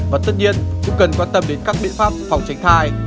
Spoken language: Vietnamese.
và tất nhiên cũng cần quan tâm đến các biện pháp phòng tránh thai